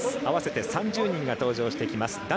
合わせて３０人が登場してきます